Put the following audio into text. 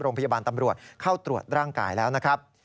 โรงพยาบาลตำรวจเข้าตรวจร่างกายแล้วนะครับ